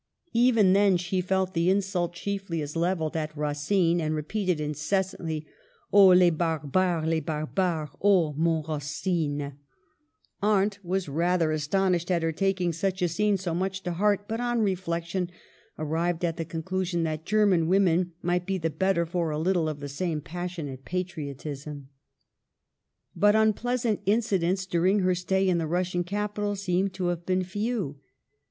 Even then she felt the insult chiefly as levelled at Racine, and repeated incessantly, " Oh ! les barbares, les bar bares! Oh y mon Racine!" Arndt was rather astonished at her taking such a scene so much to heart ; but, on reflection, arrived at the conclu sion that German women might be the better for a little of the same passionate patriotism. But unpleasant incidents during her stay in the. Russian capital seem to have been few.